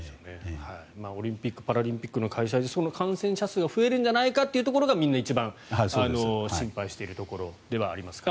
オリンピック・パラリンピックの開催で感染者数が増えるんじゃないかというところがみんな一番心配しているところではあります。